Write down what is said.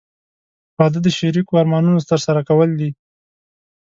• واده د شریکو ارمانونو ترسره کول دي.